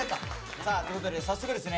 さあということで早速ですね